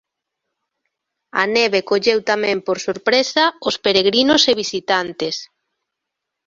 A neve colleu tamén por sorpresa os peregrinos e visitantes.